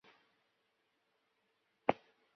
原上殿地基上已建民房二幢。